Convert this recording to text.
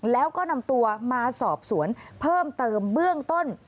แล้วก็นำตัวมาสอบสวนเพิ่มเติมเบื้องต้น